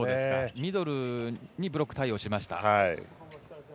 ミドルにブロック対応しました。